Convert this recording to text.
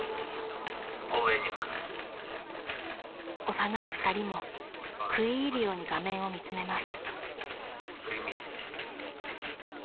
［幼い二人も食い入るように画面を見詰めます］